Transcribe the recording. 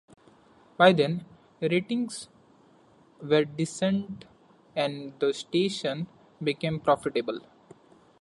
By then, ratings were decent and the station became profitable.